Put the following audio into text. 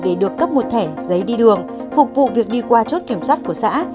để được cấp một thẻ giấy đi đường phục vụ việc đi qua chốt kiểm soát của xã